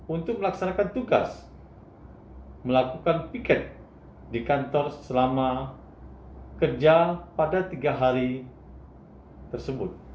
untuk melaksanakan tugas melakukan piket di kantor selama kerja pada tiga hari tersebut